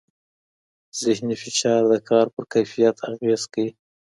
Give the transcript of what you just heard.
ذهني فشار د کار پر کیفیت اغېز کوي.